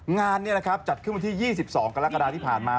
งานนี้นะครับจัดขึ้นวันที่๒๒กรกฎาที่ผ่านมา